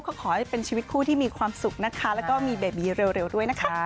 ก็ขอให้เป็นชีวิตคู่ที่มีความสุขนะคะแล้วก็มีเบบีเร็วด้วยนะคะ